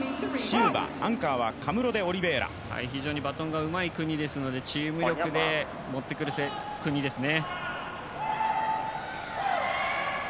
非常にバトンがうまい国ですのでチーム力でもってくる国ですね。